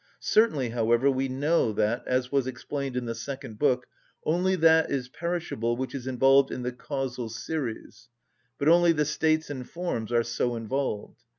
Certainly, however, we know that, as was explained in the second book, only that is perishable which is involved in the causal series; but only the states and forms are so involved.